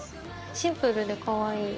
シンプルでかわいい。